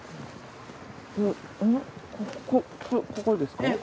ここですか？